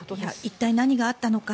一体、何があったのか